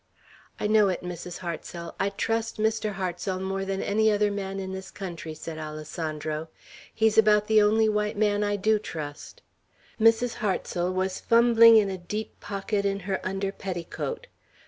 "I know it, Mrs. Hartsel. I'd trust Mr. Hartsel more than any other man in this country," said Alessandro. "He's about the only white man I do trust!" Mrs. Hartsel was fumbling in a deep pocket in her under petticoat.